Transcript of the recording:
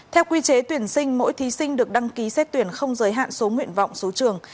theo quy chế tuyển sinh mỗi thí sinh được đăng ký xét tuyển không giới hạn số nguyện vọng số trường